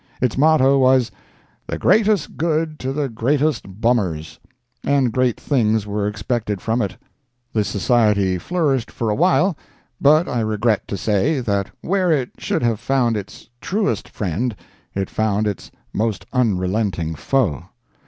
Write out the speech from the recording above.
Its motto was, "The greatest good to the greatest bummers," and great things were expected from it. The society flourished for a while, but I regret to say, that where it should have found its truest friend it found its most unrelenting foe.